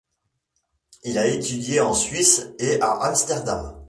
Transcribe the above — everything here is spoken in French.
Il a étudié en Suisse et à Amsterdam.